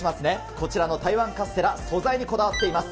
こちらの台湾カステラ、素材にこだわっています。